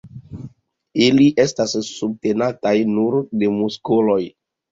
Ili estas subtenataj nur de muskoloj.